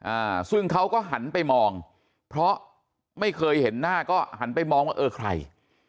อ่าซึ่งเขาก็หันไปมองเพราะไม่เคยเห็นหน้าก็หันไปมองว่าเออใคร